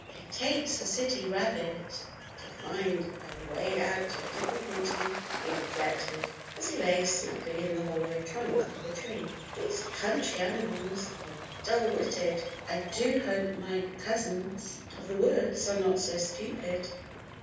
"It takes a city rabbit to find a way out of difficulty," he reflected, as he lay snugly in the hollow trunk of the tree. "These country animals are dull witted. I do hope my cousins of the woods are not so stupid.